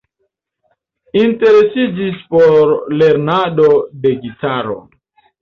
Interesiĝis por lernado de gitaro.